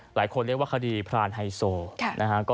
หลายคนเรียกว่าคดีพรานไฮโซนะฮะ